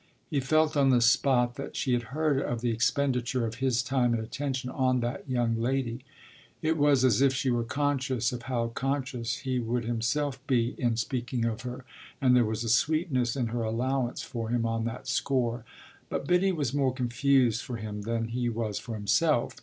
He felt on the spot that she had heard of the expenditure of his time and attention on that young lady. It was as if she were conscious of how conscious he would himself be in speaking of her, and there was a sweetness in her allowance for him on that score. But Biddy was more confused for him than he was for himself.